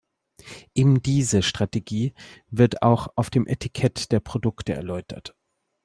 Ebendiese Strategie wird auch auf dem Etikett der Produkte erläutert.